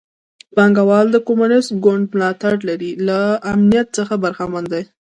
پانګوال د کمونېست ګوند ملاتړ لري له امنیت څخه برخمن دي.